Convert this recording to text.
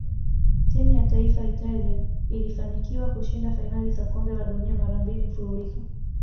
Timu ya taifa Italia ilifanikiwa kushinda fainali za kombe la dunia mara mbili mfululizo